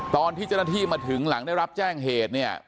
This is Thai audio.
ตอนที่เจ้าหน้าที่มาถึงหลังได้รับแจ้งเหตุเนี่ย